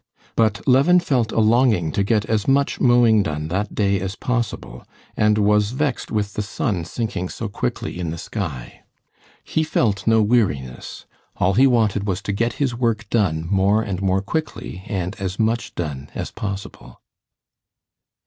But Levin felt a longing to get as much mowing done that day as possible, and was vexed with the sun sinking so quickly in the sky. He felt no weariness; all he wanted was to get his work done more and more quickly and as much done as possible.